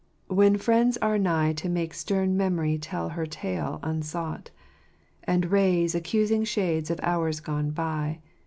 — when friends are nigh To make stern memory tell her tale unsought, And raise accusing shades of hours gone by.